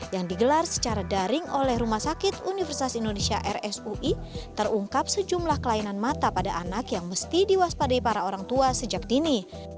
yang digelar secara daring oleh rumah sakit universitas indonesia rsui terungkap sejumlah kelainan mata pada anak yang mesti diwaspadai para orang tua sejak dini